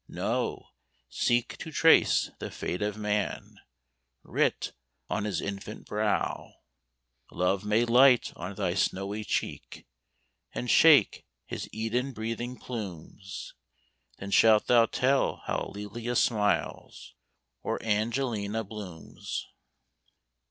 No, seek to trace the fate of man Writ on his infant brow. Love may light on thy snowy cheek, And shake his Eden breathing plumes; Then shalt thou tell how Lelia smiles, Or Angelina blooms.